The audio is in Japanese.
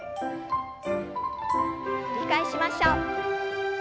繰り返しましょう。